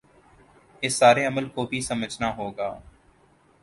اس سارے عمل کو بھی سمجھنا ہو گا